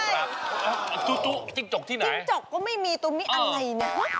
จุ๊กจิ๊กจกที่ไหนจิ๊กจกก็ไม่มีตัวนี้อะไรเนี่ย